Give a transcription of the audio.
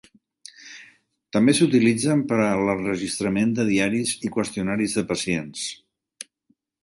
També s'utilitzen per a l'enregistrament de diaris i qüestionaris de pacients.